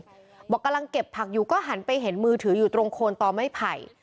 บอกกำลังเก็บผักอยู่ก็หันไปเห็นมือถืออยู่ตรงโคนต่อไม่ไผ่